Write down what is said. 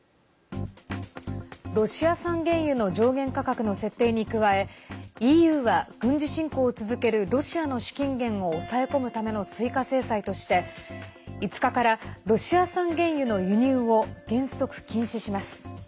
ロシア産原油の上限価格の設定に加えＥＵは、軍事侵攻を続けるロシアの資金源を抑え込むための追加制裁として５日からロシア産原油の輸入を原則禁止します。